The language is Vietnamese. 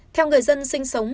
theo người dân sinh sống